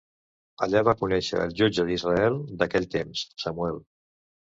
Allà va conèixer el jutge d'Israel d'aquell temps, Samuel.